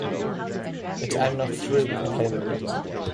But I'm not through complaining yet.